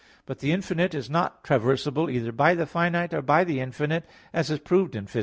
But the infinite is not traversable either by the finite or by the infinite, as is proved in Phys.